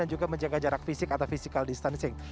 juga menjaga jarak fisik atau physical distancing